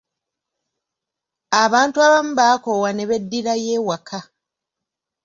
Abantu abamu baakoowa ne beddirayo ewaka.